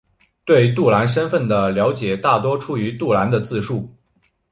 对杜兰身份的了解大多出自于杜兰的自述。